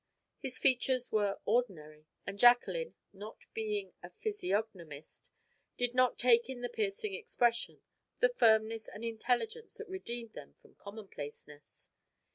His features were ordinary; and Jacqueline, not being a physiognomist, did not take in the piercing expression, the firmness and intelligence that redeemed them from commonplaceness.